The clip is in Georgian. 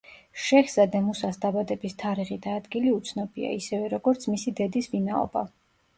შეჰზადე მუსას დაბადების თარიღი და ადგილი უცნობია, ისევე როგორც მისი დედის ვინაობა.